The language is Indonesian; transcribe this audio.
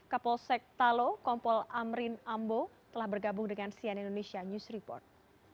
kapolsek talo kompol amrin ambo telah bergabung dengan sian indonesia news report